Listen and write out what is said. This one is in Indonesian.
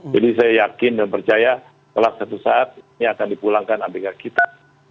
jadi saya yakin dan percaya setelah suatu saat ini akan dipulangkan abdekat kita